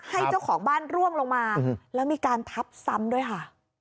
เจ้าของบ้านร่วงลงมาแล้วมีการทับซ้ำด้วยค่ะ